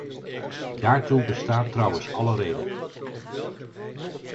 Daartoe bestaat trouwens alle reden.